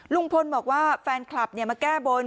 ลุงพลบอกว่าแฟนคลับมาแก้บน